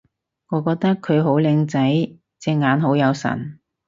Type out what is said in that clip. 我覺得佢好靚仔！隻眼好有神